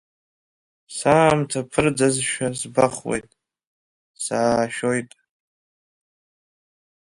Саамҭа ԥырӡазшәа збахуеит, саашәоит.